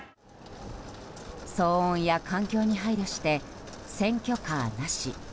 騒音や環境に配慮して選挙カーなし。